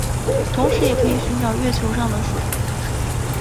同时也可以寻找月球上的水。